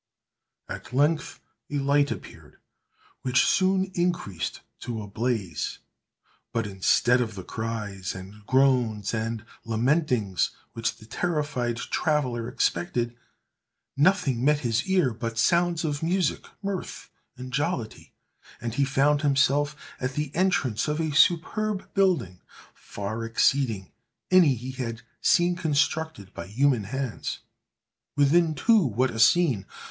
At length a light appeared, which soon increased to a blaze; but, instead of the cries, and groans, and lamentings, which the terrified traveller expected, nothing met his ear but sounds of music, mirth, and jollity; and he found himself at the entrance of a superb building, far exceeding any he had seen constructed by human hands. Within, too, what a scene!